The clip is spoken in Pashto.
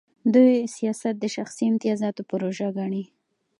دوی سیاست د شخصي امتیازاتو پروژه ګڼي.